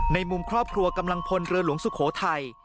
ในมุมครอบครัวกำลังพลเรือหลวงสุโขทัย